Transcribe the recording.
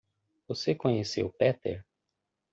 Você conheceu Peter?